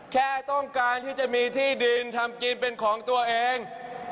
แค่ต้องการที่จะมีที่ดินทำกินเป็นของตัวเอง